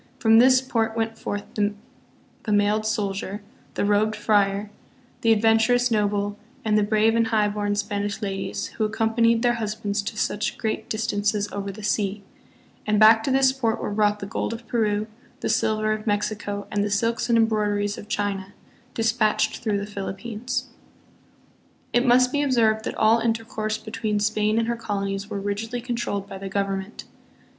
From this port went forth the mailed soldier, the robed friar, the adventurous noble, and the brave and highborn Spanish ladies, who accompanied their husbands to such great distances over the sea. And back to this port were brought the gold of Peru, the silver of Mexico, and the silks and embroideries of China, dis patched through the Philippines. 1 Moses: Establishment of Spanish Rule in America, p. 12. SPANISH SOLDIER AND MISSIONARY. 113 It must be observed that all intercourse between Spain and her colonies was rigidly controlled by the govern ment.